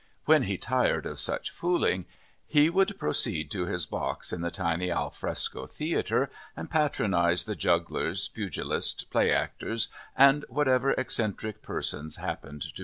When he tired of such fooling, he would proceed to his box in the tiny al fresco theatre and patronize the jugglers, pugilists, play actors and whatever eccentric persons happened to be performing there.